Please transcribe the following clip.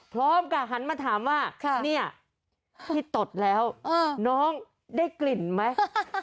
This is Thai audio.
พร้อมกับหันมาถามว่าเนี่ยพี่ตดแล้วน้องได้กลิ่นไหม